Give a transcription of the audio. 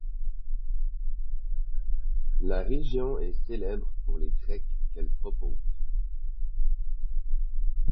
La région est célèbre pour les treks qu'elle propose.